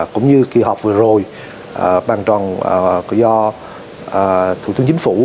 cũng như kỳ họp vừa rồi bàn tròn do thủ tướng chính phủ